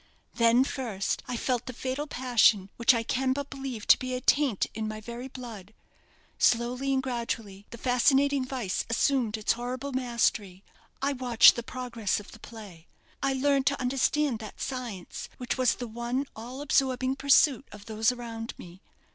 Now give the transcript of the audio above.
Then first I felt the fatal passion which I can but believe to be a taint in my very blood. Slowly and gradually the fascinating vice assumed its horrible mastery. I watched the progress of the play. I learned to understand that science which was the one all absorbing pursuit of those around me.